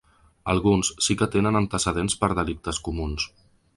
Alguns sí que tenen antecedents per delictes comuns.